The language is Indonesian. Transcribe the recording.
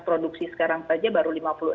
produksi sekarang saja baru lima puluh enam puluh